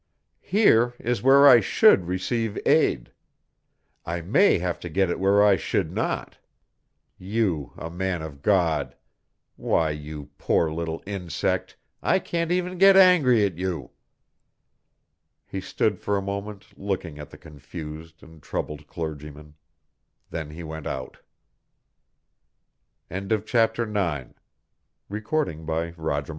Here is where I should receive aid. I may have to get it where I should not. You a man of God! Why, you poor little insect, I can't even get angry at you!" He stood for a moment looking at the confused and troubled clergyman. Then he went out. Chapter Ten Almost immediately the door opened again.